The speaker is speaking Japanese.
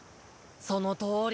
そのとおり。